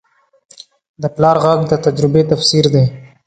د پلار غږ د تجربې تفسیر دی